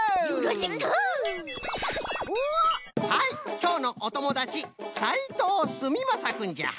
きょうのおともだちさいとうすみまさくんじゃ。